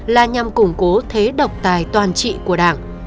là nhằm củng cố thế độc tài toàn trị của đảng